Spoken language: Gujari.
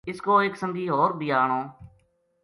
اس کو ایک سنگی ہور بی آنوں‘‘